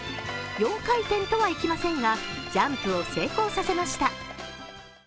４回転とはいきませんがジャンプを成功させました。